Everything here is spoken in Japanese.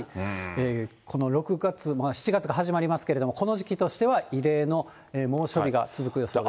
この６月、７月が始まりますけれども、この時期としては異例の猛暑日が続く予想です。